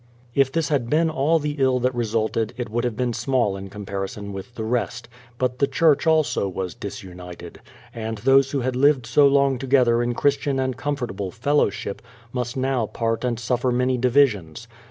If this had been all the ill that resulted, it would have been small in comparison with the rest ; but the church also was disunited, and those who had lived so long to gether in Christian and comfortable fellowship, must now part and suffer many divisions.